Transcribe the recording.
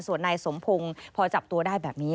ส่วนนายสมพงศ์พอจับตัวได้แบบนี้